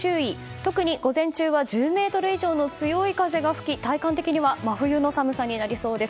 特に午前中は１０メートル以上の強い風が吹き体感的には真冬の寒さになりそうです。